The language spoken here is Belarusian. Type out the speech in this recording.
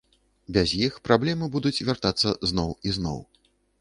Без іх праблемы будуць вяртацца зноў і зноў.